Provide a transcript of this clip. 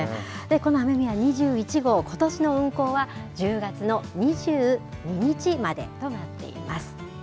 この雨宮２１号、ことしの運行は１０月の２２日までとなっています。